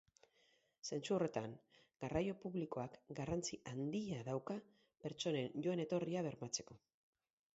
Zentzu horretan, garraio publikoak garrantzi handia dauka pertsonen joan-etorria bermatzeko.